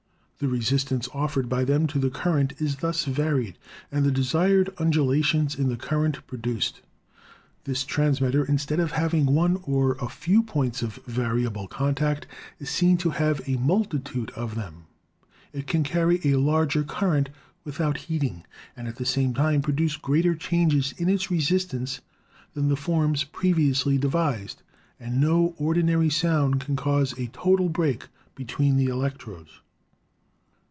The resistance offered by them to the current is thus varied, and the desired undulations in the current pro duced. This transmitter, instead of having one or a few points of variable contact, is seen to have a multitude of THE TELEPHONE 275 them. It can carry a larger current without heating, and at the same time produce greater changes in its resistance, . than the forms previously devised, and no ordinary sound can cause a total break between the electrodes.